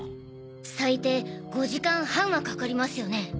最低５時間半はかかりますよね。